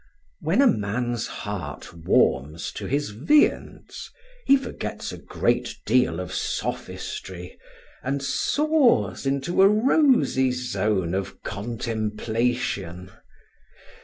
When a man's heart warms to his viands, he forgets a great deal of sophistry, and soars into a rosy zone of contemplation.